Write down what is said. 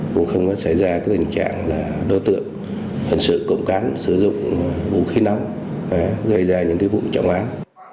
cũng không xảy ra cái tầm trạng là đô tượng phần sự cộng cán sử dụng vũ khí nóng gây ra những cái vụ trọng án